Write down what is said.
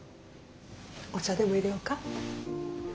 お茶でもいれようか？